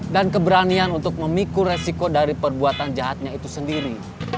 dan keberanian untuk memikul resiko dari perbuatan jahatnya itu sendiri